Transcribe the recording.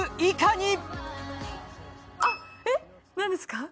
あっえっ何ですか？